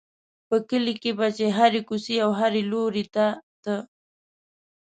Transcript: په کلي کې به چې هرې کوڅې او هر لوري ته ته.